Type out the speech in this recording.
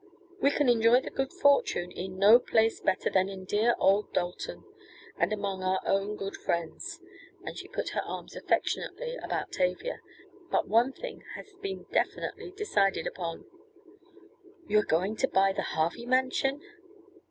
"We can enjoy the good fortune in no place better than in dear old Dalton, and among our own good friends," and she put her arms affectionately about Tavia. "But one thing has been definitely decided upon " "You are going to buy the Harvy mansion?"